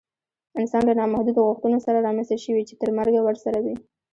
انسان له نامحدودو غوښتنو سره رامنځته شوی چې تر مرګه ورسره وي